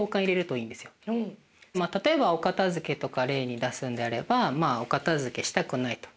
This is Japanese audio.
まあ例えばお片づけとか例に出すんであれば「お片づけしたくない」と。